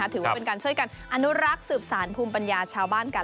ถือว่าเป็นการช่วยกันอนุรักษ์สืบสารภูมิปัญญาชาวบ้านกัน